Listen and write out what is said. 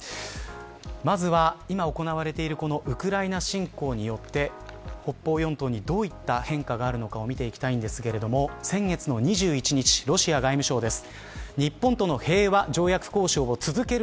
まずは、今行われているウクライナ侵攻によって北方四島にどういった変化があるのかを見ていきたいんですが先月２１日、ロシア外務省です。